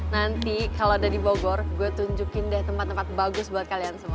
nanti kalo ada dibogor gue tunjukin deh tempat tempat bagus buat kalian semua